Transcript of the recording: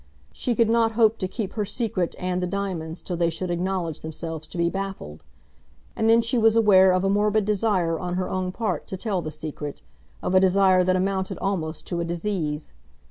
She could not hope to keep her secret and the diamonds till they should acknowledge themselves to be baffled. And then she was aware of a morbid desire on her own part to tell the secret, of a desire that amounted almost to a disease.